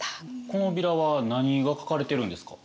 このビラは何が描かれてるんですか？